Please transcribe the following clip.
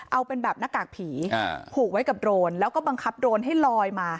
เอาเป็นแบบหน้ากากผีผูกไว้กับโรนแล้วก็บังคับโดรนให้ลอยมา